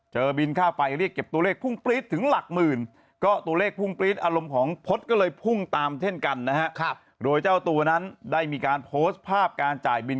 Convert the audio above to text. เช่นกันนะครับโรยเจ้าตัวนั้นได้มีการโพสต์ภาพการจ่ายบิน